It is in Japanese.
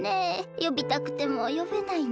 よびたくてもよべないんだよ。